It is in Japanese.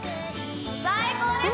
最高です